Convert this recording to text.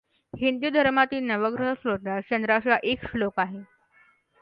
हिंदू धर्मातील नवग्रह स्तोत्रात चंद्राचा एक श्लोक आहे.